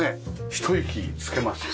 ひと息つけますよね。